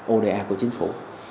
oda của chính phủ